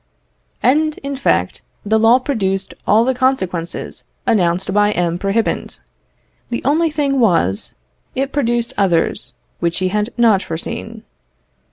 And, in fact, the law produced all the consequences announced by M. Prohibant: the only thing was, it produced others which he had not foreseen.